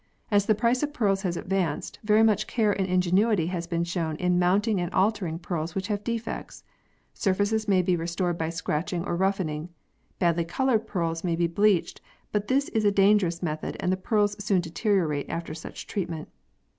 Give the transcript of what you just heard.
As the price of pearls has advanced, very much care and ingenuity has been shown in mounting and altering pearls which have defects. Surfaces may be restored by scratching or roughening. Badly coloured pearls may be bleached, but this is a dangerous method and the pearls soon deteriorate after such treatment.